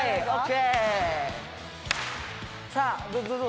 さあどう？